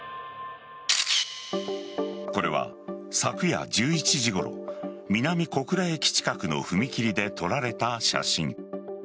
これは昨夜１１時ごろ南小倉駅近くの踏切で撮られた写真。